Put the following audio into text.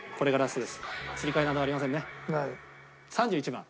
３１番。